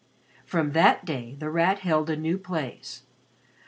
From that day The Rat held a new place.